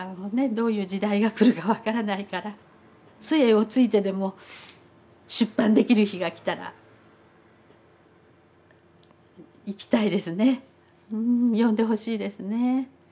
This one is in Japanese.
どういう時代が来るか分からないからつえをついてでも出版できる日が来たら行きたいですね読んでほしいですね。